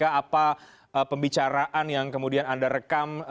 apa pembicaraan yang kemudian anda rekam